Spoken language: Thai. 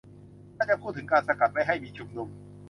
น่าจะพูดถึงการสกัดไม่ให้มีชุมนุม